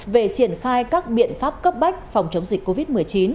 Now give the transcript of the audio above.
về triển khai các biện pháp cấp bách phòng chống dịch covid một mươi chín